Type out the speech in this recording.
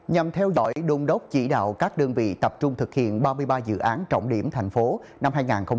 nhằm theo dõi đôn đốc chỉ đạo các đơn vị tập trung thực hiện ba mươi ba dự án trọng điểm thành phố năm hai nghìn hai mươi